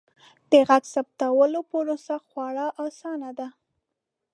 د غږ ثبتولو پروسه خورا اسانه ده.